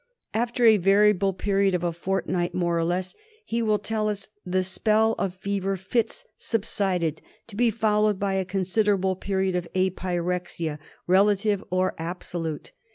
After a variable period of a fortnight, more or less, he will ; tell us the spell of fever fits subsided to be followed by a considerable period of apyrexia, relative or absolute.